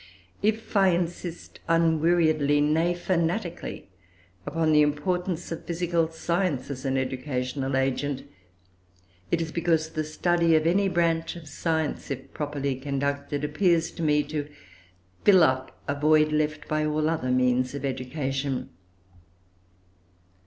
If I insist unweariedly, nay fanatically, upon the importance of physical science as an educational agent, it is because the study of any branch of science, if properly conducted, appears to me to fill up a void left by all other means of education.